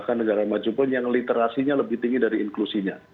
negara maju pun yang literasinya lebih tinggi dari inklusinya